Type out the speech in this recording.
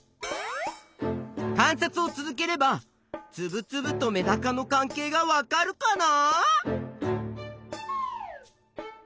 観察を続ければつぶつぶとメダカの関係がわかるかな？